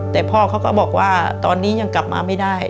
แต่พ่อเขาก็บอกว่าตอนนี้ยังกลับมาไม่ได้